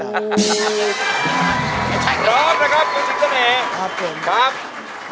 พร้อมนะครับคุณชิคกี้พาย